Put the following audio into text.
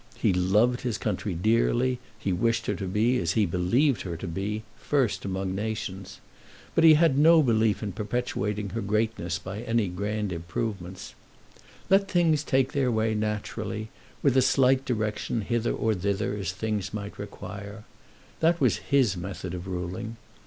He loved his country dearly, and wished her to be, as he believed her to be, first among nations. But he had no belief in perpetuating her greatness by any grand improvements. Let things take their way naturally, with a slight direction hither or thither as things might require. That was his method of ruling.